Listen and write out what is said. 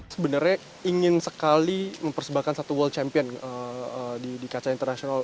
sebenarnya ingin sekali mempersembahkan satu world champion di kaca internasional